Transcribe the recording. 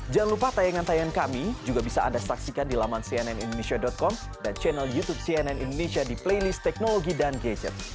jangan lupa tayangan tayangan kami juga bisa anda saksikan di laman cnnindonesia com dan channel youtube cnn indonesia di playlist teknologi dan gadget